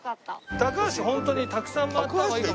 高橋ホントにたくさん回った方がいいかも。